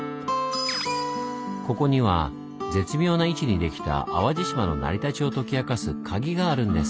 ここには絶妙な位置にできた淡路島の成り立ちを解き明かすカギがあるんです。